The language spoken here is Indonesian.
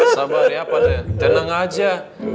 sabar ya pak dea tenang aja